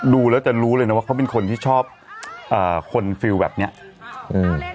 ดูแล้วจะรู้เลยนะว่าเขาเป็นคนที่ชอบเอ่อคนฟิลแบบเนี้ยอืม